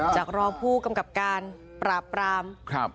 รองผู้กำกับการปราบปราม